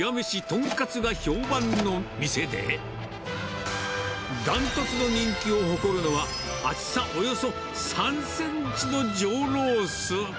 名人技究めし豚カツが評判の店で、断トツの人気を誇るのは、厚さおよそ３センチの上ロース。